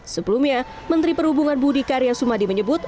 sebelumnya menteri perhubungan budi karya sumadi menyebut